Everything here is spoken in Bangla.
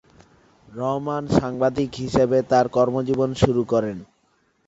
রহমান সাংবাদিক হিসেবে তার কর্মজীবন শুরু করেন।